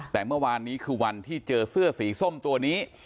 แต่เมื่อวานนี้คือวันที่เจอเสื้อสีส้มตัวนี้